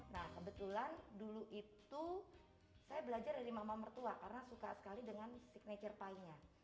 nah kebetulan dulu itu saya belajar dari mama mertua karena suka sekali dengan signature pie nya